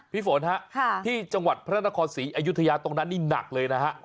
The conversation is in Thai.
ฝนฮะที่จังหวัดพระนครศรีอยุธยาตรงนั้นนี่หนักเลยนะฮะ